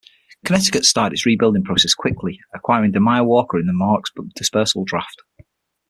Connecticut started its rebuilding process quickly, acquiring DeMya Walker in the Monarchs' dispersal draft.